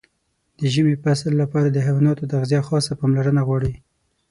د ژمي فصل لپاره د حیواناتو تغذیه خاصه پاملرنه غواړي.